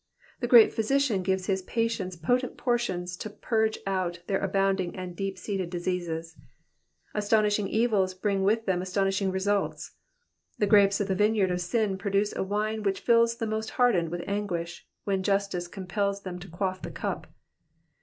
The great physician gives his patients potent potions to purge out their abounding and deep seated diseases. Astonishing eviLi bring with them astonishing results. The grapes of the vineyard of sin Digitized by VjOOQIC 92 EXPOSITIONS OF THE PSALMS. produce a wine which fills the most hardened with anguish when justice com^ pels them to quaff the cup.